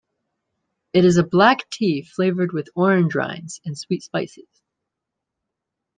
It is a black tea flavored with orange rinds, and sweet spices.